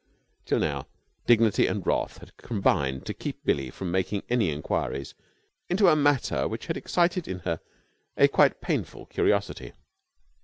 Till now dignity and wrath combined had kept Billie from making any enquiries into a matter which had excited in her a quite painful curiosity.